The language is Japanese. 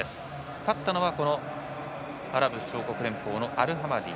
勝ったのはアラブ首長国連邦のアルハマディ。